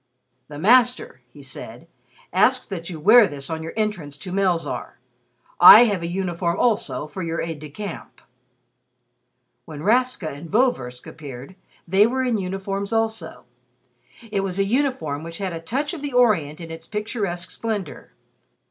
"The Master," he said, "asks that you wear this on your entrance to Melzarr. I have a uniform, also, for your aide de camp." When Rastka and Vorversk appeared, they were in uniforms also. It was a uniform which had a touch of the Orient in its picturesque splendor.